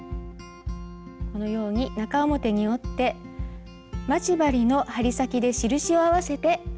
このように中表に折って待ち針の針先で印を合わせて留めてゆきます。